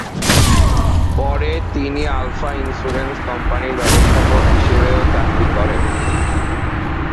পরে তিনি Alpha insurance কোম্পানির ব্যবস্থাপক হিসেবেও চাকরি করেন।